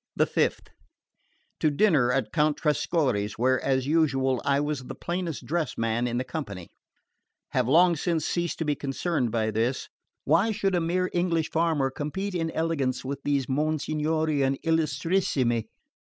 The 5th. To dinner at Count Trescorre's where, as usual, I was the plainest dressed man in the company. Have long since ceased to be concerned by this: why should a mere English farmer compete in elegance with these Monsignori and Illustrissimi?